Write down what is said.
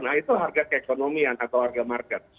nah itu harga keekonomian atau harga market